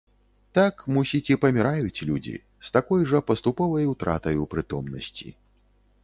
Так, мусіць, і паміраюць людзі, з такой жа паступовай утратаю прытомнасці.